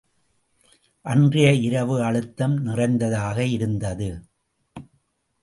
அன்றைய இரவு அழுத்தம் நிறைந்ததாக இருந்தது.